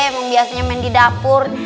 emang biasanya main di dapur